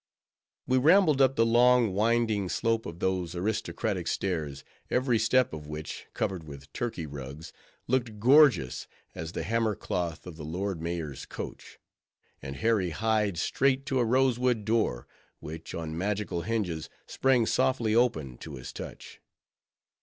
We rambled up the long, winding slope of those aristocratic stairs, every step of which, covered with Turkey rugs, looked gorgeous as the hammer cloth of the Lord Mayor's coach; and Harry hied straight to a rosewood door, which, on magical hinges, sprang softly open to his touch.